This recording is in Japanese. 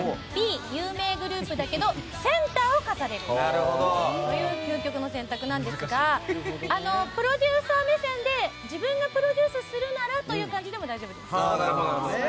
Ｂ、無名グループだけどセンターを飾れるという究極の選択なんですがプロデューサー目線で自分がプロデュースするならという目線でも大丈夫です。